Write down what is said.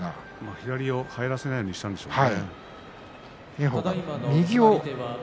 左を入らせないようにしたんでしょうね。